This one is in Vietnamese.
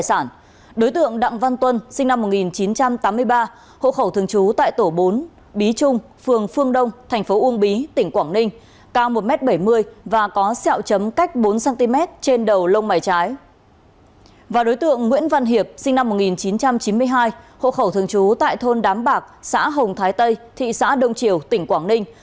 sinh năm một nghìn chín trăm chín mươi hai hộ khẩu thường trú tại thôn đám bạc xã hồng thái tây thị xã đông triều tỉnh quảng ninh